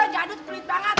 jadut pelit banget